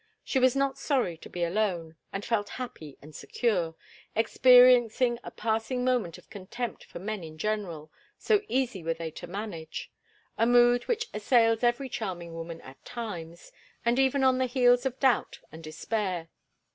She was not sorry to be alone, and felt happy and secure, experiencing a passing moment of contempt for men in general, so easy were they to manage—a mood which assails every charming woman at times, and even on the heels of doubt and despair.